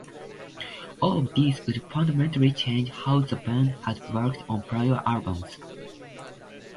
All of this would fundamentally change how the band had worked on prior albums.